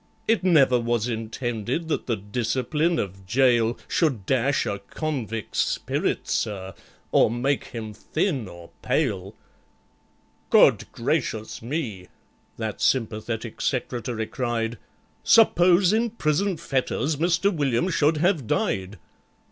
It never was intended that the discipline of gaol Should dash a convict's spirits, sir, or make him thin or pale." "Good Gracious Me!" that sympathetic Secretary cried, "Suppose in prison fetters MISTER WILLIAM should have died!